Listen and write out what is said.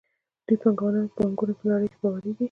د دوی بانکونه په نړۍ کې باوري دي.